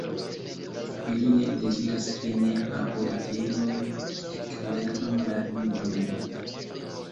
Ili ne deziras ke ne-aborigenoj eklernu la lingvon